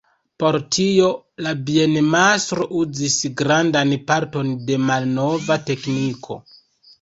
Por tio la bienmastro uzis grandan parton de malnova tekniko.